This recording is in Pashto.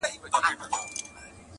د ژوندو لاري د سخره دي.